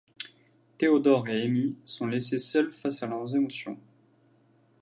Theodore et Amy sont laissés seuls face à leurs émotions.